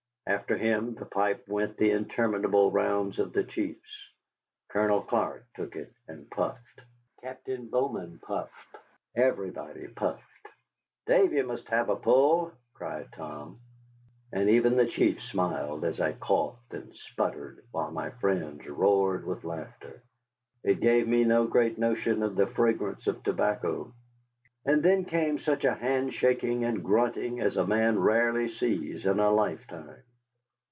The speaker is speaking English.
After him the pipe went the interminable rounds of the chiefs. Colonel Clark took it, and puffed; Captain Bowman puffed, everybody puffed. "Davy must have a pull," cried Tom; and even the chiefs smiled as I coughed and sputtered, while my friends roared with laughter. It gave me no great notion of the fragrance of tobacco. And then came such a hand shaking and grunting as a man rarely sees in a lifetime.